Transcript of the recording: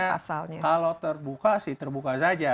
jadi artinya kalau terbuka sih terbuka saja